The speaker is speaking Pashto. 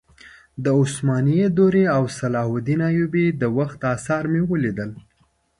د عثماني دورې او صلاح الدین ایوبي د وخت اثار مې ولیدل.